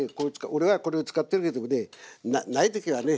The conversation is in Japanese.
俺はこれを使ってるけどもね慣れてきたらね